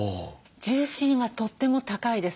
重心はとっても高いです。